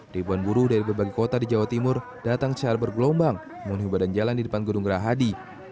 ribuan buruh dari berbagai kota di jawa timur datang secara bergelombang memenuhi badan jalan di depan gedung gerahadi